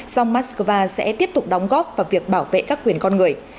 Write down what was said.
song moscow sẽ tiếp tục đóng góp vào việc bảo vệ các quyền con người